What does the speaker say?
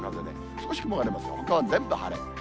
少し雲がありますが、ほかは全部晴れ。